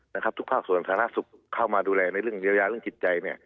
นะครับทุกภาพส่วนธนาคตสุขเข้ามาดูแลในเรื่องเยียวยาเรื่องกิจใจ